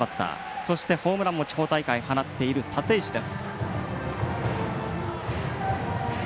そして、ホームランも地方大会、放っている立石です。